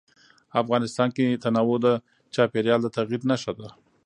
افغانستان کې تنوع د چاپېریال د تغیر نښه ده.